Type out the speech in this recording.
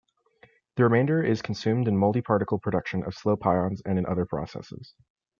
The remainder is consumed in multiparticle production of slow pions and in other processes.